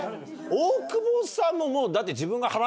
大久保さんももうだって。